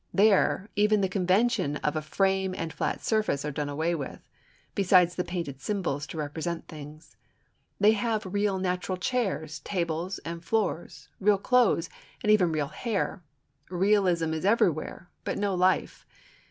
There, even the convention of a frame and flat surface are done away with, besides the painted symbols to represent things. They have real natural chairs, tables, and floors, real clothes, and even real hair. Realism everywhere, but no life.